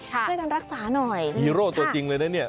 ช่วยกันรักษาหน่อยฮีโร่ตัวจริงเลยนะเนี่ย